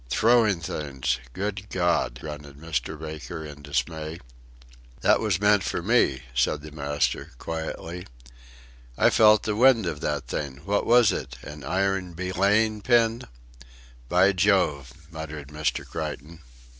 "Throwing things good God!" grunted Mr. Baker in dismay. "That was meant for me," said the master, quietly; "I felt the wind of that thing; what was it an iron belaying pin?" "By Jove!" muttered Mr. Creighton.